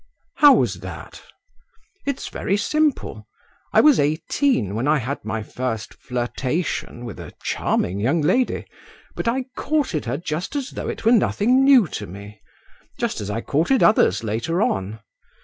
"How was that?" "It's very simple. I was eighteen when I had my first flirtation with a charming young lady, but I courted her just as though it were nothing new to me; just as I courted others later on.